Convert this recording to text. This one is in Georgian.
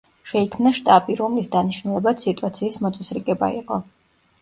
შეიქმნა შტაბი, რომლის დანიშნულებაც სიტუაციის მოწესრიგება იყო.